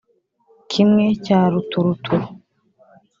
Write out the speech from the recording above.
Kimwe cya ruturuturu